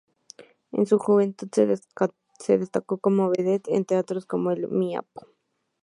En su juventud se destacó como vedette en teatros como el Maipo.